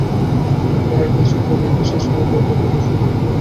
উখারায় পাশের গ্রামে কিসের সভা হইবে, ডাক আসিল শশীর কিছু বলা চাই।